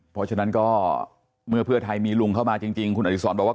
เพราะฉะนั้นก็เมื่อเพื่อไทยมีลุงเข้ามาจริงคุณอดิษรบอกว่า